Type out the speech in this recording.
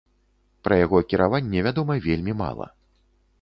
Пра яго кіраванне вядома вельмі мала.